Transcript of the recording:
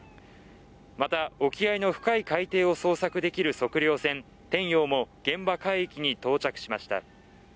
また沖合の深い海底を捜索できる測量船「天洋」も現場海域に到着しました